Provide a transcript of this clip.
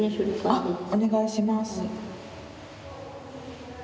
あっお願いします。